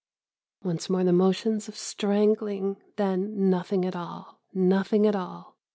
Once more the motions of strangling .. .then ... nothing at all ... nothing at all